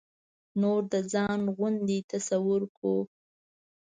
نور د ځان غوندې تصور کړو.